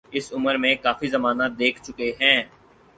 اس عمر میں کافی زمانہ دیکھ چکے ہیں۔